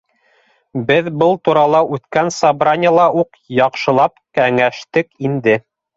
Беҙ был турала үткән собраниела уҡ яҡшылап кәңәштек инде.